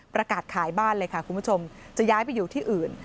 ประกาศขายบ้านเลยค่ะคุณผู้ชมจะย้ายไปอยู่ที่อื่น